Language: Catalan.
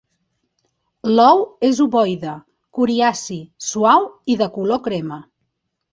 L'ou és ovoide, coriaci, suau i de color crema.